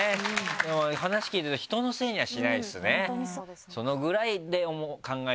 話聞いてると人のせいにはしないですね。というかね